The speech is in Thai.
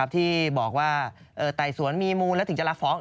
ที่บอกว่าไต่สวนมีมูลแล้วถึงจะรับฟ้อง